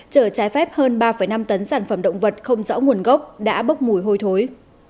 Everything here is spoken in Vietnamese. chở trái phép hơn ba năm tấn sản phẩm động vật không rõ nguồn gốc đã bốc mùi hôi thối